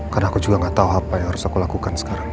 karena aku juga gak tau apa yang harus aku lakukan sekarang